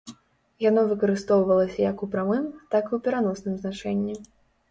Яно выкарыстоўвалася як у прамым, так і ў пераносным значэнні.